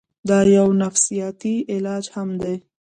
دا يو نفسياتي علاج هم دے